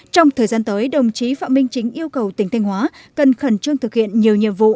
trong thời gian tới đồng chí phạm minh chính yêu cầu tỉnh thanh hóa cần khẩn trương thực hiện nhiều nhiệm vụ